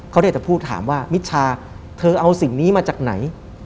เขาได้แต่พูดถามว่ามิชชาเธอเอาสิ่งนี้มาจากไหน